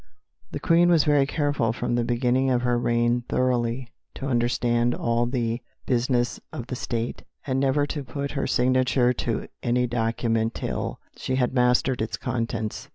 The Queen was very careful from the beginning of her reign thoroughly to understand all the business of the State, and never to put her signature to any document till she had mastered its contents.